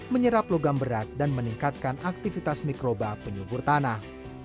menyerap logam berat dan meningkatkan aktivitas mikroba penyubur tanah